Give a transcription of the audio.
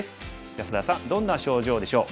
安田さんどんな症状でしょう？